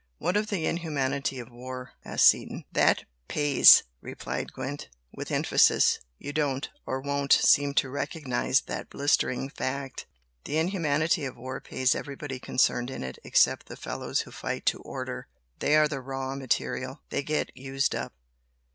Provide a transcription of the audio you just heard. "What of the inhumanity of war?" asked Seaton. "That PAYS!" replied Gwent, with emphasis "You don't, or won't, seem to recognise that blistering fact! The inhumanity of war pays everybody concerned in it except the fellows who fight to order. They are the 'raw material.' They get used up.